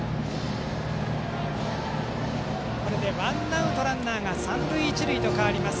これでワンアウトランナー、三塁一塁と変わります。